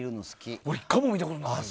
俺、１回も見たことない。